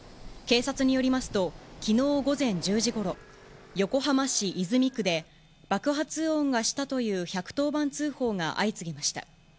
警察によりますと、きのう午前１０時ごろ、横浜市泉区で、爆発音がしたという１１０番通報が相次ぎました。